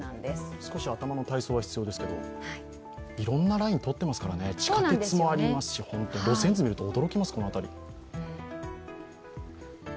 少し頭の体操が必要ですけど、いろんなライン通ってますから、地下鉄もありますし、路線図見ると驚きます。